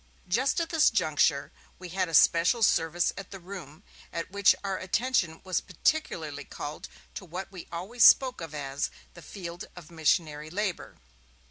Just at this juncture, we had a special service at the Room, at which our attention was particularly called to what we always spoke of as 'the field of missionary labour'.